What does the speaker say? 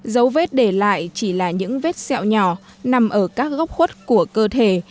dấu vết để lại chỉ là những vết sẹo nhỏ nằm ở các góc khuất của cơ thể